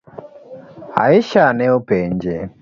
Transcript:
Aisha ne openje.